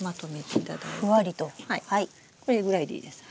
これぐらいでいいです。